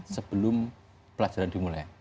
sebelum pelajaran dimulai